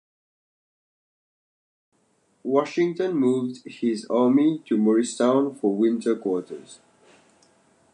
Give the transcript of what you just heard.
Washington moved his army to Morristown for winter quarters.